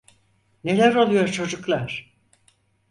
Neler oluyor çocuklar?